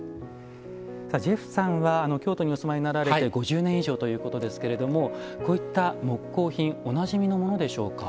ジェフさんは京都にお住まいになられて５０年以上ということですけれどもこういった木工品おなじみのものでしょうか？